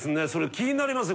気になりますよ